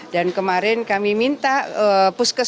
dan kemarin kami minta puskesmas itu ikut mengawal